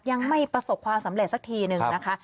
ยังไม่ประสบความสำเร็จสักทีหนึ่งนะคะ